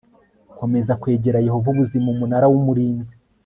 komeza kwegera yehova ubuzima umunara w umurinzi